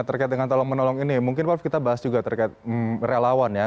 terkait dengan tolong menolong ini mungkin prof kita bahas juga terkait relawan ya